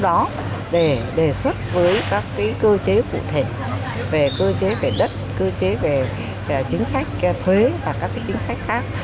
để đề xuất với các cơ chế phụ thể về cơ chế về đất cơ chế về chính sách thuế và các chính sách khác